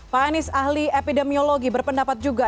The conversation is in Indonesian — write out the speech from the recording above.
pak anies ahli epidemiologi berpendapat juga